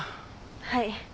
はい。